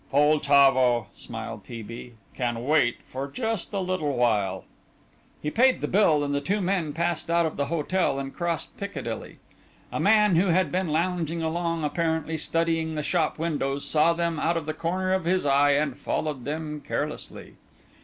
"Poltavo," smiled T. B., "can wait for just a little while." He paid the bill and the two men passed out of the hotel and crossed Piccadilly. A man who had been lounging along apparently studying the shop windows saw them out of the corner of his eye and followed them carelessly.